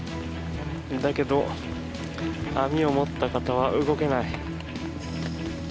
だけど、網を持った方は動けない。